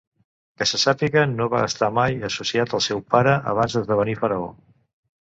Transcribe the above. Que se sàpiga, no va estar mai associat al seu pare abans d'esdevenir faraó.